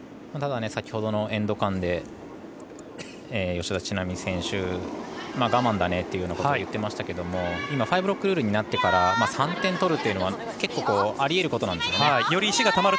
先ほどのエンド間で吉田知那美選手が我慢だねと言ってましたけどファイブロックルールになってから３点取るというのはあり得ることなんですね。